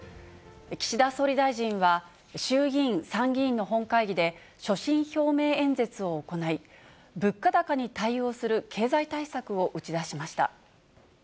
岸田総理大臣は、衆議院、参議院の本会議で、所信表明演説を行い、物価高に対応する経済対策を打ち出しました。